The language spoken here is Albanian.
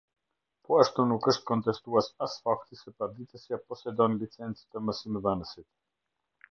Po ashtu nuk është kontestues as fakti se paditësja posedon licencë të mësimdhënësit.